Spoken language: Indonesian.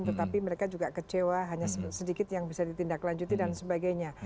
tetapi mereka juga kecewa hanya sedikit yang bisa ditindaklanjuti dan sebagainya